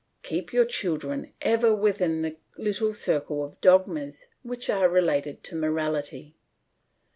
Keep your children ever within the little circle of dogmas which are related to morality.